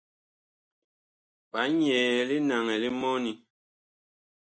Ɓaa nyɛɛ linaŋɛ li mɔni.